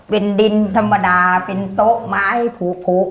เป็นดินธรรมดาเป็นโต๊ะไม้ผู